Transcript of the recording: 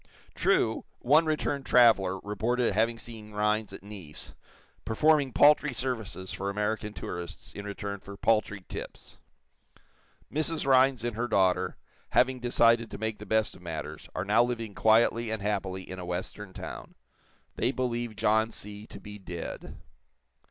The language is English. True, one returned traveler reported having seen Rhinds at Nice, performing paltry services for American tourists in return for paltry "tips." Mrs. Rhinds and her daughter, having decided to make the best of matters, are now living quietly and happily in a western town. They believe John C. to be dead.